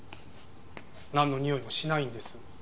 なんのにおいもしないんです。